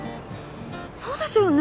そうですよね